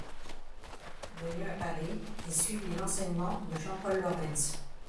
Venu à Paris, il suivit l’enseignement de Jean-Paul Laurens.